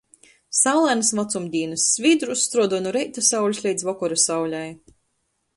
Saulainys vacumdīnys – svīdrūs struodoj nu reita saulis leidz vokora saulei.